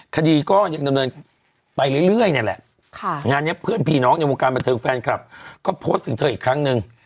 คดีก็ยังดำเนินไปเรื่อยนี่แหละงานนี้เพื่อนพี่น้องในวงการบันเทิงแฟนคลับก็โพสต์ถึงเธออีกครั้งหนึ่ง